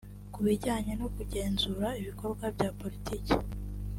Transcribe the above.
Ku bijyanye no kugenzura ibikorwa bya politiki